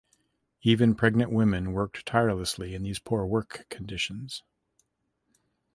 Even pregnant women worked tirelessly in these poor work conditions.